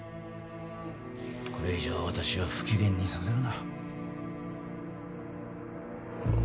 これ以上私を不機嫌にさせるな。